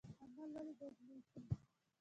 عمل ولې باید نیک وي؟